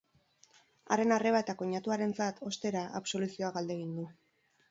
Haren arreba eta koinatuarentzat, ostera, absoluzioa galdegin du.